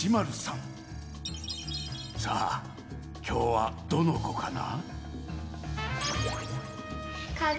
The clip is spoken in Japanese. さあきょうはどのこかな？